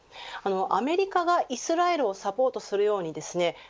アメリカがイスラエルをサポートするようにですね